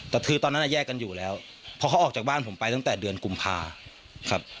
แต่คือตอนนั้นแยกกันอยู่แล้วเพราะเขาออกจากบ้านผมไปตั้งแต่เดือนกุมภาครับ